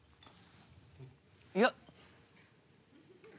いや。